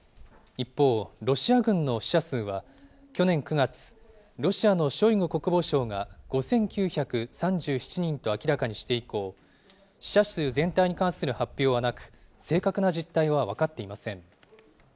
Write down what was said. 一方、ロシア軍の死者数は去年９月、ロシアのショイグ国防相が５９３７人と明らかにして以降、死者数全体に関する発表はなく、正確な実態は分かっていません。